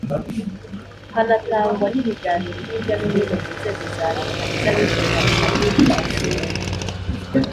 hanatangwa n ibiganiro hirya no hino mu nzego za Leta iz abikorera mu madini mu mashuri